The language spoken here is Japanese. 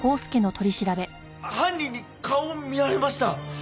犯人に顔を見られました。